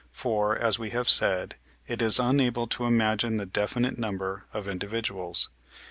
For, as we have said, it is unable to imagine the definite number of individuals.